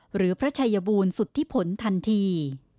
หรือพระชัยบูรณสุทธิผลทันที